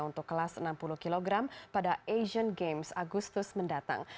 untuk kelas enam puluh kg pada asian games agustus mendatang